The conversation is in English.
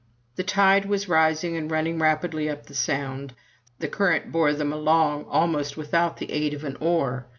The tide was rising and running rapidly up the Sound. The current bore them along, almost without the aid of an oar.